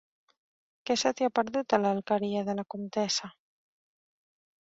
Què se t'hi ha perdut, a l'Alqueria de la Comtessa?